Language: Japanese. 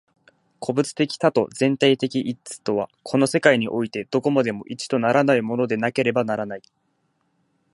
個物的多と全体的一とは、この世界においてどこまでも一とならないものでなければならない。